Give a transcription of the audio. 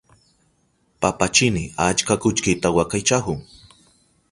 Papachini achka kullkita wakaychahun.